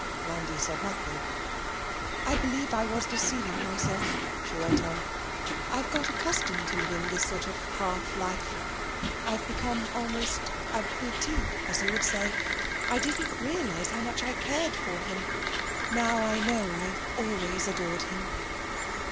Landi said nothing. 'I believe I was deceiving myself,' she went on. 'I've got so accustomed to living this sort of half life I've become almost abrutie, as you would say. I didn't realise how much I cared for him. Now I know I always adored him.'